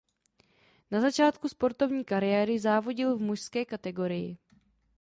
Na začátku sportovní kariéry závodil v mužské kategorii.